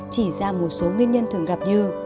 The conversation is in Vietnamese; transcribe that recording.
chỉ ra một số nguyên nhân thường gặp như